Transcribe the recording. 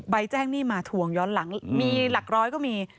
แจ้งหนี้มาทวงย้อนหลังมีหลักร้อยก็มี